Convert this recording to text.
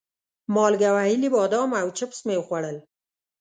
مالګه وهلي بادام او چپس مې وخوړل.